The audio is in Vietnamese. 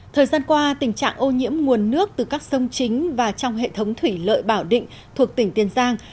thời gian qua tình trạng ô nhiễm nguồn nước từ các sông chính và trong hệ thống thủy lợi bảo định thuộc tỉnh tiền giang